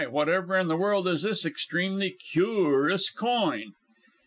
Whatever in the world is this extremely cu roos coin?'